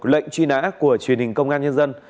lệnh truy nã của truyền hình công an nhân dân